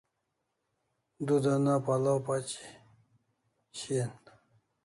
Du dana pal'aw pachi shian